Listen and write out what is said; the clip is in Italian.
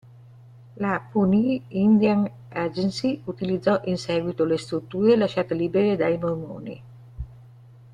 La Pawnee Indian Agency utilizzò in seguito le strutture lasciate libere dai Mormoni.